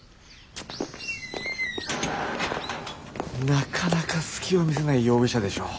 なかなか隙を見せない容疑者でしょう。